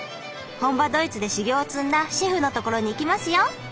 本場ドイツで修業を積んだシェフのところに行きますよ。